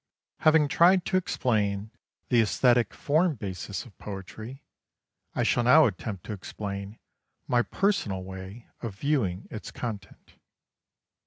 Having tried to explain the aesthetic form basis of poetry, I shall now attempt to explain my personal way of viewing its content.